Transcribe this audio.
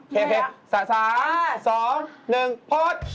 เท่าเอคจะรอดเนี่ยครับ